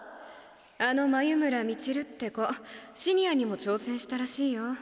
あの眉村道塁って子シニアにも挑戦したらしいよ。